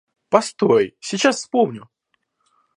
Постой, сейчас вспомню!